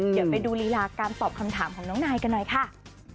เดี๋ยวไปดูรีลาการตอบคำถามของน้องนายกันหน่อยค่ะ